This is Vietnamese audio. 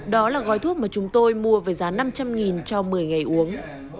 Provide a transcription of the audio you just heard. đó là gói thuốc mà chúng tôi mua với giá năm trăm linh cho một mươi ngày uống